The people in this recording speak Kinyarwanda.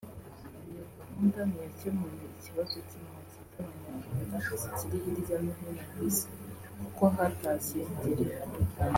Iyo gahunda ntiyakemuye ikibazo cy’impunzi z’Abanyarwanda zikiri hirya no hino ku Isi kuko hatashye ngerere